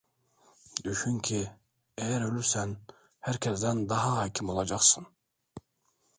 Düşün ki, eğer ölürsen herkesten daha hakim olacaksın…